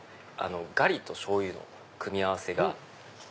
ガリとしょうゆの組み合わせが。